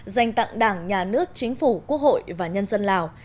dành tặng đảng nhà nước chính phủ quốc hội và nhân dân lào